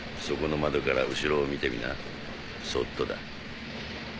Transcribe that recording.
そこの窓から後ろを見てみなそっとだ。